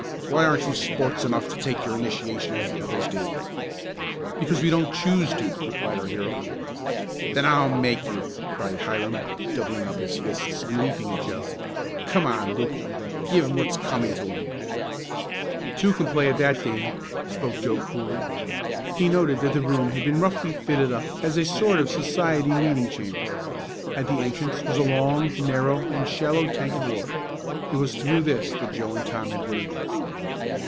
Why aren't you sports enough to take your initiation as the others do?" "Because we don't choose to," replied our hero. "Then I'll make you!" cried Hiram, doubling up his fists and leaping at Joe. "Come on, Luke, give 'em what's coming to 'em!" "Two can play at that game," spoke Joe coolly. He noted that the room had been roughly fitted up as a sort of society meeting chamber. At the entrance was a long, narrow and shallow tank of water. It was through this that Joe and Tom had waded.